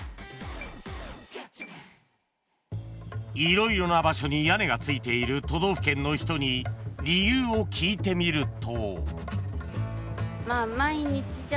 ［色々な場所に屋根が付いている都道府県の人に理由を聞いてみると］